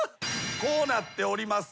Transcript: こうなっております。